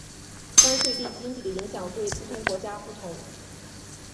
关税对经济的影响对不同国家不同。